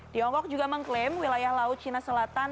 tiongkok juga mengklaim wilayah laut cina selatan